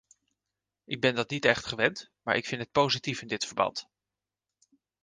Ik ben dat niet echt gewend, maar ik vind het positief in dit verband.